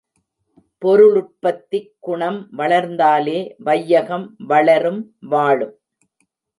பொருளுற்பத்திக் குணம் வளர்ந்தாலே வையகம் வளரும் வாழும்.